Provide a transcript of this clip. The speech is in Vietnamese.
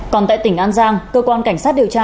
còn tại tỉnh an giang cơ quan cảnh sát địa chỉ